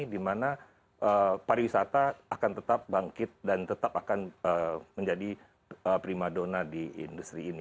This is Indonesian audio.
dimana para wisata akan tetap bangkit dan tetap akan menjadi prima donna di industri ini